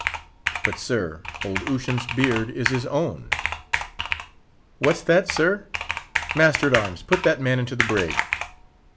But, sir, old Ushant's beard is his own!" "What's that, sir? Master at arms, put that man into the brig."